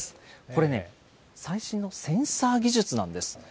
これね、最新のセンサー技術なんです。